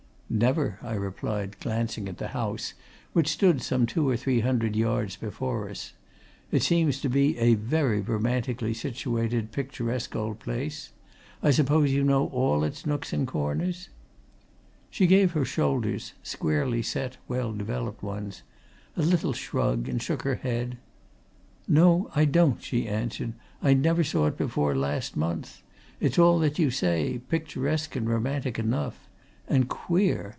"Never," I replied, glancing at the house, which stood some two or three hundred yards before us. "It seems to be a very romantically situated, picturesque old place. I suppose you know all its nooks and corners?" She gave her shoulders squarely set, well developed ones a little shrug, and shook her head. "No, I don't," she answered. "I never saw it before last month. It's all that you say picturesque and romantic enough. And queer!